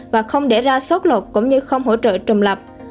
và không để ra sốt lột cũng như không hỗ trợ trùm lập